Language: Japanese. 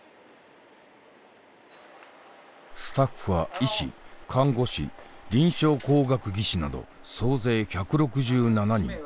スタッフは医師看護師臨床工学技士など総勢１６７人。